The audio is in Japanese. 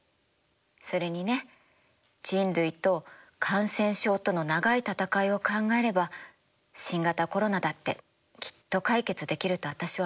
それにね人類と感染症との長い闘いを考えれば新型コロナだってきっと解決できると私は思うな。